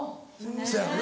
そやろな。